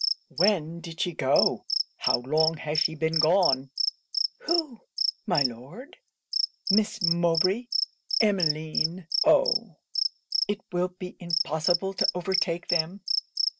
When did she go? How long has she been gone?' 'Who, my Lord?' 'Miss Mowbray Emmeline Oh! it will be impossible to overtake them!'